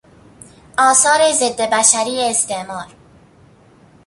آثار ضد بشری استعمار